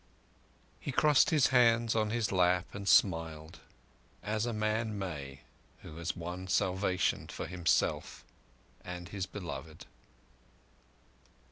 He crossed his hands on his lap and smiled, as a man may who has won salvation for himself and his beloved.